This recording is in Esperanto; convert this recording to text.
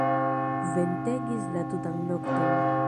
Ventegis la tutan nokton.